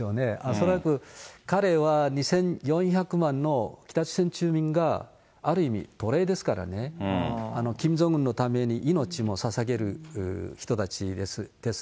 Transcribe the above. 恐らく、彼は２４００万の北朝鮮住民が、ある意味、奴隷ですからね、キム・ジョンウンのために命もささげる人たちです。